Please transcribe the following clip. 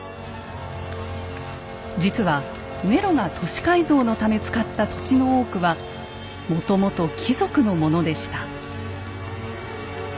実はネロが都市改造のため使った土地の多くはもともと貴族のものでした。